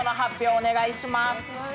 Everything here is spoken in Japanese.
お願いします。